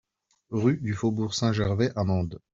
Rue du Faubourg Saint-Gervais à Mende